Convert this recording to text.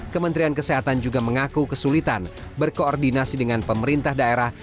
kementerian kesehatan juga mengaku kesulitan berkoordinasi dengan pemerintah daerah